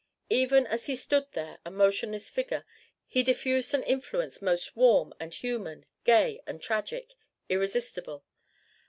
Even as he stood there a motionless figure, he diffused an influence most warm and human, gay and tragic, irresistible.